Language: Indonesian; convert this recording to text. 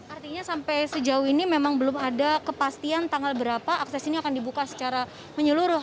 artinya sampai sejauh ini memang belum ada kepastian tanggal berapa akses ini akan dibuka secara menyeluruh